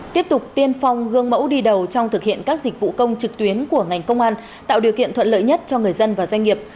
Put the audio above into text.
tiếp tục tiên phong gương mẫu đi đầu trong thực hiện các dịch vụ công trực tuyến của ngành công an tạo điều kiện thuận lợi nhất cho người dân và doanh nghiệp